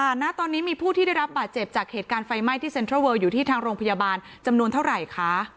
ณตอนนี้มีผู้ที่ได้รับบาดเจ็บจากเหตุการณ์ไฟไหม้ที่เซ็นทรัลเวอร์อยู่ที่ทางโรงพยาบาลจำนวนเท่าไหร่คะ